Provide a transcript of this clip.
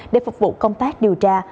để phục vụ công tác điều tra